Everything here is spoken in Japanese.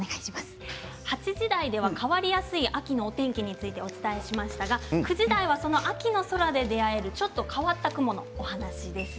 ８時台では変わりやすい秋のお天気についてお伝えしましたが９時台はその秋の空で出会えるちょっと変わった雲のお話です。